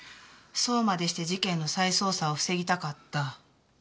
そうまでして事件の再捜査を防ぎたかった。